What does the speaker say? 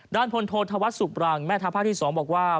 ด้านพลโทษธวัสสุปรังแม่ทภาคที่๒บอกว่า